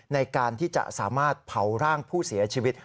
ในการที่จะสามารถเผาร่างผู้เสียชีวิต